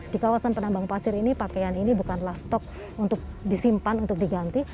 di kawasan penambang pasir ini pakaian ini bukanlah stok untuk disimpan untuk diganti